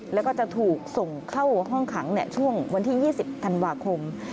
แล้วก็จะถูกส่งเข้าห้องขังช่วงวันที่๒๐ธันวาคม